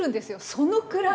そのくらい。